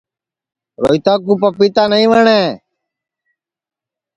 روہیتا کُو پَپیتا نائی وٹؔے